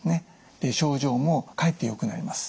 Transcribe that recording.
で症状もかえってよくなります。